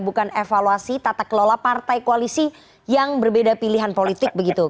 bukan evaluasi tata kelola partai koalisi yang berbeda pilihan politik begitu